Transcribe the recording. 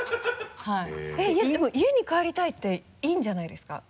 えっでも「家に帰りたい」って陰じゃないですか？